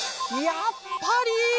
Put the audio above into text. やっぱり！